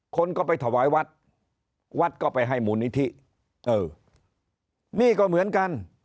คนก็ไปถวายวัดวัดก็ไปให้มูลนิธิเออนี่ก็เหมือนกัน